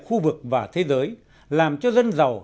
khu vực và thế giới làm cho dân giàu